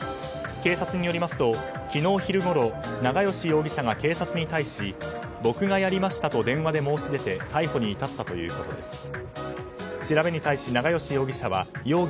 警察によりますと昨日昼ごろ永吉容疑者が警察に対し、僕がやりましたと電話で申し出て逮捕に至ったということです。